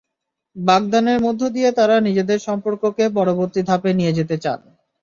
বাগদানের মধ্য দিয়ে তাঁরা নিজেদের সম্পর্ককে পরবর্তী ধাপে নিয়ে যেতে চান।